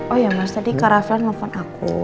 oh iya mas tadi kak raflan nelfon aku